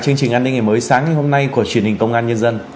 chương trình an ninh ngày mới sáng ngày hôm nay của truyền hình công an nhân dân